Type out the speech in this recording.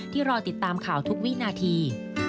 รอติดตามข่าวทุกวินาที